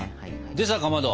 でさかまど！